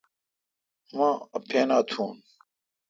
مہ اپینا تھون۔